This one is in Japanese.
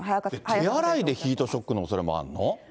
手洗いでヒートショックのおそれがあるの？